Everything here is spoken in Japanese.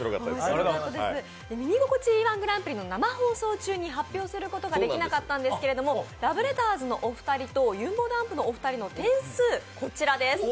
「耳心地いい−１グランプリ」の生放送中に発表することができなかったんですけれどもラブレターズのお二人とゆんぼだんぷの点数こちらです。